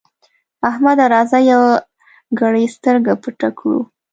احمده! راځه يوه ګړۍ سترګه پټه کړو.